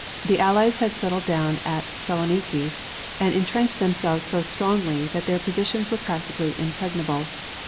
The Allies had settled down at Saloniki and intrenched themselves so strongly that their positions were practically impregnable.